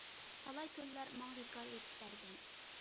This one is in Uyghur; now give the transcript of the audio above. تالاي كۈنلەر ماڭا ھېكايە ئېيتىپ بەرگەن.